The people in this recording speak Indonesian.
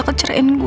aku yang bertemanku